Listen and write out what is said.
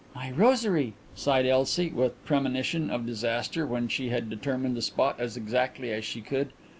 "My rosary!" sighed Elsie, with premonition of disaster, when she had determined the spot as exactly as she could.